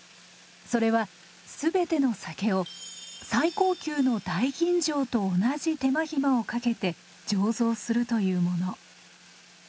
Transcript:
それはすべての酒を最高級の大吟醸と同じ手間暇をかけて醸造するというもの。